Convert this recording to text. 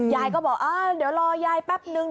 ยายก็บอกเออเดี๋ยวรอยายแป๊บนึง